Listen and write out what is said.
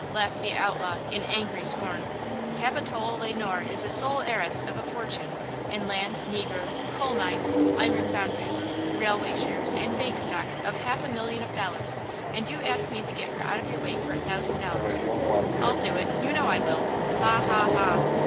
laughed the outlaw, in angry scorn. "Capitola Le Noir is the sole heiress of a fortune–in land, negroes, coal mines, iron foundries, railway shares and bank stock of half a million of dollars–and you ask me to get her out of your way for a thousand dollars–I'll do it–you know I will! Ha, ha, ha!"